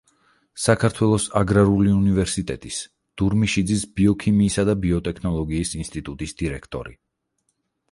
საქართველოს აგრარული უნივერსიტეტის დურმიშიძის ბიოქიმიისა და ბიოტექნოლოგიის ინსტიტუტის დირექტორი.